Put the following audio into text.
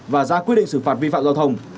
và ra quyết định xử phạt vi phạm giao thông